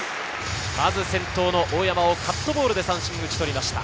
まず先頭の大山をカットボールで三振に打ち取りました。